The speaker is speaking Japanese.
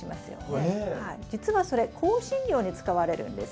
じつはそれ香辛料に使われるんです。